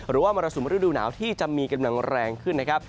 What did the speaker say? มรสุมฤดูหนาวที่จะมีกำลังแรงขึ้นนะครับ